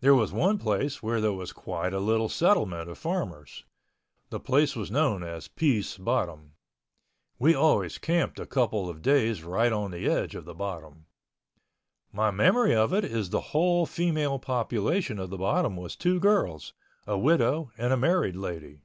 There was one place where there was quite a little settlement of farmers. The place was known as Pease Bottom. We always camped a couple of days right on the edge of the Bottom. My memory of it is the whole female population of the Bottom was two girls, a widow and a married lady.